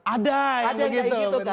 ada yang begitu